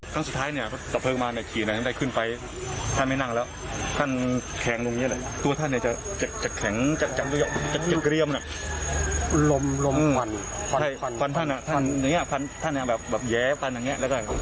ครั้งสุดท้ายเนี่ยก็ตัดเพลิงมาหน่อยฉีดน้ำได้ขึ้นไป